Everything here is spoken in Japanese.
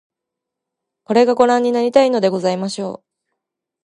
これが御覧になりたいのでございましょう